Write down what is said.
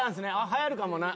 はやるかもな。